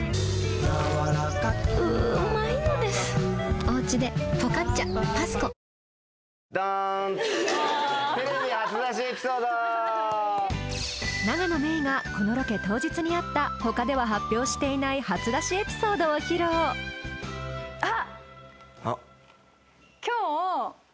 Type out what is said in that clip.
おお永野芽郁がこのロケ当日にあった他では発表していない初出しエピソードを披露あっ！